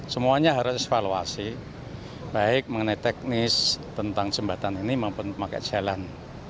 semuanya harus evaluasi baik mengenai teknis tentang jembatan ini maupun pemakai jalan